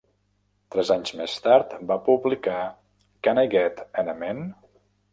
Tres anys més tard, va publicar "Can I Get an Amen".